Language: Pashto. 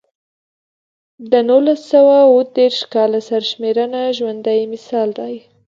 د نولس سوه اووه دېرش کال سرشمېرنه ژوندی مثال دی.